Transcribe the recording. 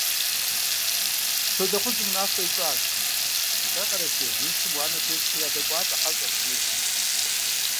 Щолэхъужьым унафэ ищӀащ: «НтӀэ, Къэрэшей, уи шым уанэ телъхьи ядэкӀуатэ хьэщӀэхэм», – жери.